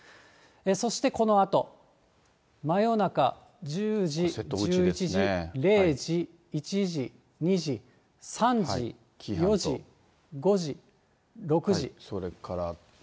そしてこのあと、真夜中、１０時、１１時、０時、１時、２時、３時、４時、５時、６時。